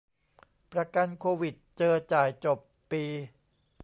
ประกันโควิด เจอ จ่าย จบ ปี